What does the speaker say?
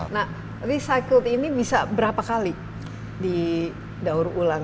nah recycle ini bisa berapa kali di daur ulang